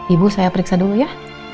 ibu saya periksa dulu ya